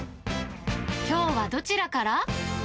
きょうはどちらから？